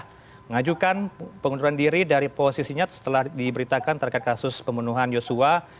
dia mengajukan pengunduran diri dari posisinya setelah diberitakan terkait kasus pembunuhan yosua